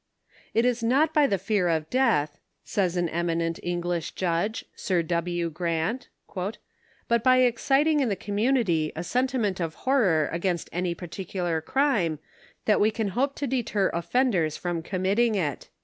"It is not by the fear of death," says an eminent English judge. Sir W. Grant, "but by excit ing in the community a sentiment of horror against any par ticular crime, that we can hope to deter offenders from com mitting it."